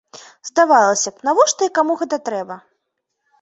Здавалася б, навошта і каму гэта трэба?